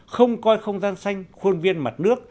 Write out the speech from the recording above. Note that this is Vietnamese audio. không coi không gian xanh khuôn viên mặt nước